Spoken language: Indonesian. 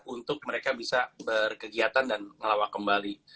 untuk mereka bisa berkegiatan dan ngelawak kembali